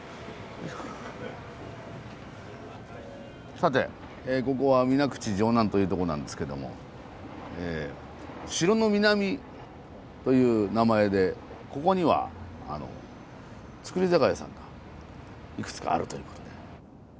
さてここは水口城南というとこなんですけども城の南という名前でここには造り酒屋さんがいくつかあるということで。